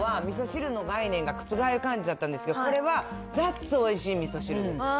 チーズのほうは、みそ汁の概念が覆る感じだったんですけど、これは、ザッツおいしいみそ汁です。